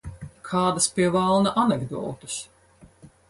Kādas, pie velna, anekdotes?